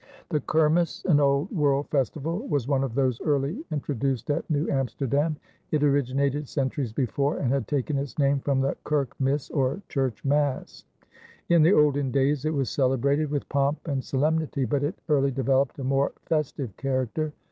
The Kermis, an Old World festival, was one of those early introduced at New Amsterdam. It originated centuries before and had taken its name from the kerk mis or church mass. In the olden days it was celebrated with pomp and solemnity, but it early developed a more festive character.